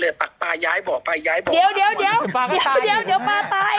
เดี๋ยวปลาตายใจเย็น